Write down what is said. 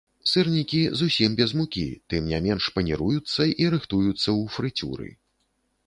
Сырнікі зусім без мукі, тым не менш, паніруюцца і рыхтуюцца ў фрыцюры.